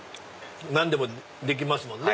何でもできますもんね。